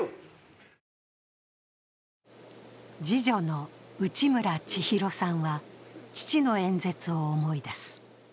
次女の内村千尋さんは、父の演説を思い出す。